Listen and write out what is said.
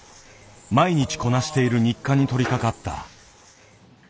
毎日こなしている日課に取りかかった。